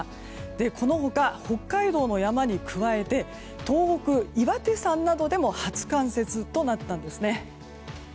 この他、北海道の山に加えて東北、岩手山などでも初冠雪となったんですね。